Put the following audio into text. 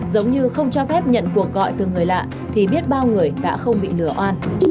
giống như không cho phép nhận cuộc gọi từ người lạ thì biết bao người đã không bị lừa oan